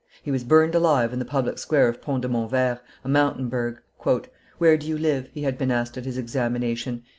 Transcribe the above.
He was burned alive in the public square of Pont de Montvert, a mountain burgh. "Where do you live?" he had been asked at his examination.